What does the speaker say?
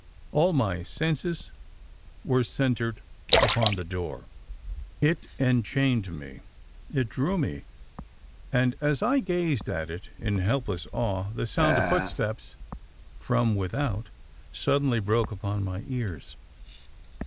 "All my senses were centred upon the door; it enchained, it drew me, and as I gazed at it in helpless awe the sound of footsteps from without suddenly broke upon my ears.